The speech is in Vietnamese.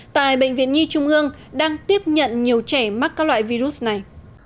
tại bệnh viện nhi trung ương đang tiếp nhận nhiều trẻ mắc các loại virus này